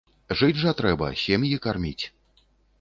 Жыць жа трэба, сем'і карміць!